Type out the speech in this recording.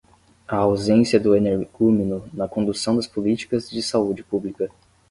A ausência do energúmeno na condução das políticas de saúde pública